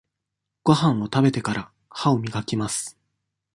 ごはんを食べてから、歯をみがきます。